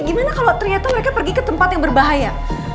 gimana kalau ternyata mereka pergi ke tempat yang berbahaya